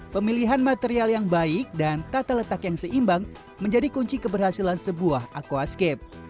pemilihan material yang baik dan tata letak yang seimbang menjadi kunci keberhasilan sebuah aquascape